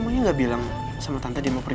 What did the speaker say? wulan emangnya gak bilang sama tante dia mau pergi